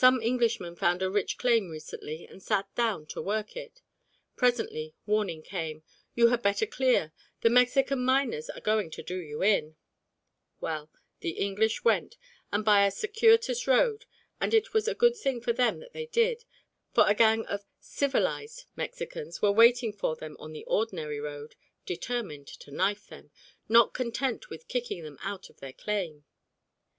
Some Englishmen found a rich claim recently, and sat down to work it. Presently warning came, "You had better clear. The Mexican miners are going to 'do you in.'" Well, the English went, and by a circuitous road, and it was a good thing for them that they did, for a gang of "civilised" Mexicans were waiting for them on the ordinary road, determined to knife them, not content with kicking them out of their claim.